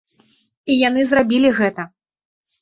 І яны зрабілі гэта.